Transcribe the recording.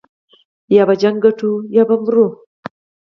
يا به جګړه ګټو يا به مرو.